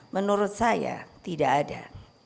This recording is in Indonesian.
menurut saya tidak ada